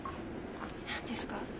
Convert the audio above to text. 何ですか？